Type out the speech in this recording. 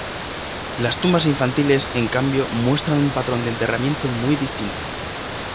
Las tumbas infantiles, en cambio, muestran un patrón de enterramiento muy distinto.